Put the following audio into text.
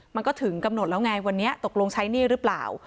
มันก็ถึงกำหนดแล้วไงวันนี้ตกลงใช้หนี้หรือเปล่า